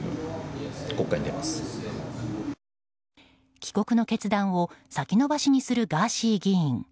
帰国の決断を先延ばしにするガーシー議員。